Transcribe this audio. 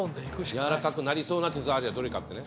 やわらかくなりそうな手触りはどれかってね。